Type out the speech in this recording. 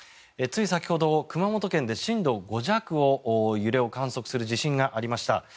つい先ほど熊本県で震度５弱の揺れを観測する地震がありました。